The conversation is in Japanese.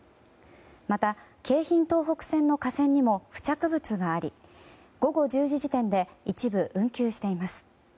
また京浜東北線の架線にも付着物があり午後１０時時点で一部、運休しています。